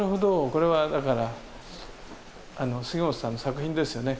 これはだからあの杉本さんの作品ですよね。